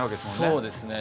そうですね